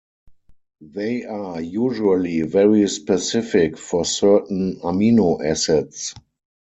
They are usually very specific for certain amino acids.